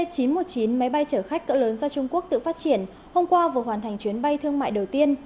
c chín trăm một mươi chín máy bay chở khách cỡ lớn do trung quốc tự phát triển hôm qua vừa hoàn thành chuyến bay thương mại đầu tiên